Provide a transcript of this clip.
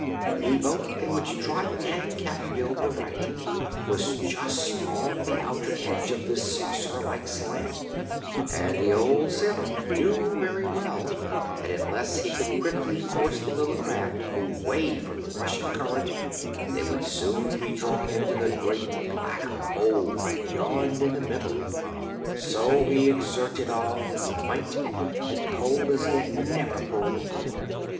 The boat in which Trot and Cap'n Bill were riding was just on the outer edge of this saucer like slant, and the old sailor knew very well that unless he could quickly force the little craft away from the rushing current they would soon be drawn into the great black hole that yawned in the middle. So he exerted all his might and pulled as he had never pulled before.